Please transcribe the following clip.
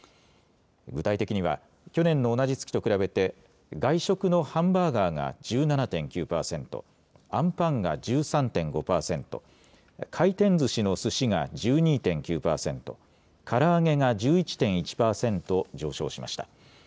具体的には、去年の同じ月と比べて、外食のハンバーガーが１７．９％、あんパンが１３．５％、回転ずしのすしが１２．９％、から揚げが１１．１％上昇しました。